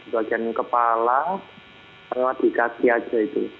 bagian kepala sama di kaki aja itu